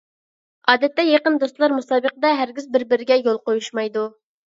ئادەتتە يېقىن دوستلار مۇسابىقىدە ھەرگىز بىر-بىرىگە يول قويۇشمايدۇ.